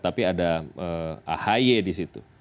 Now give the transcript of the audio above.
tapi ada ahy di situ